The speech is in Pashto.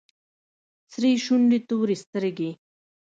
سرې شونډې تورې سترگې.